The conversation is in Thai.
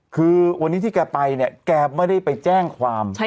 คือวันนี้ที่แกไปเนี่ยแกไม่ได้ไปแจ้งความ